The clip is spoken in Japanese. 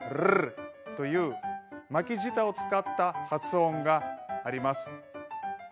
という巻き舌を使った発音があります。